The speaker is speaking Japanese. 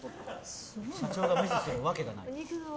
社長がミスするわけがない。